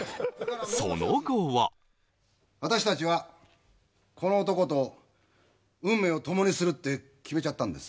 その後は私たちはこの男と運命を共にするって決めちゃったんです